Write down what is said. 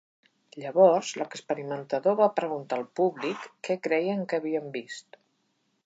Llavors, l'experimentador va preguntar al públic què creien que havien vist.